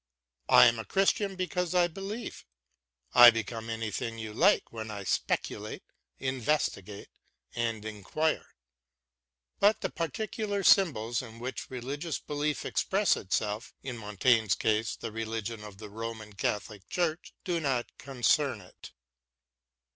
I am a Christian because I believe ; I become anything you like when I speculate, investigate, and inquire. But the particular symbols in which religious belief expresses itself — in Montaigne's case the religion of the Roman 21 8 BROWNING AND MONTAIGNE Catholic Church — do not concern it.